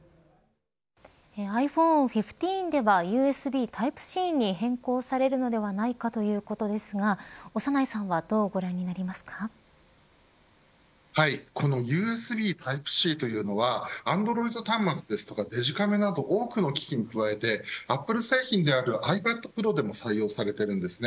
ｉＰｈｏｎｅ１５ではＵＳＢタイプＣに変更されるのではないかということですが長内さんはこのＵＳＢタイプＣというのはアンドロイド端末ですとかデジカメなど多くの機器に加えてアップル製品であるｉＰａｄＰｒｏでも採用されているんです。